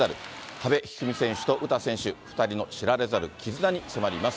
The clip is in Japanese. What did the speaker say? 阿部一二三選手と詩選手、２人の知られざる絆に迫ります。